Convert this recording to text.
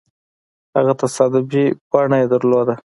هغو تصادفي بڼه يې درلوده.